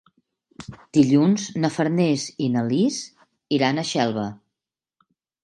Dilluns na Farners i na Lis iran a Xelva.